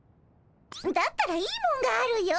だったらいいもんがあるよ。